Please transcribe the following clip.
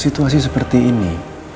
situasi seperti ini